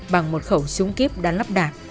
bằng một khẩu súng kiếp đang lắp đạp